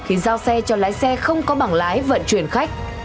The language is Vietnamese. khi giao xe cho lái xe không có bảng lái vận chuyển khách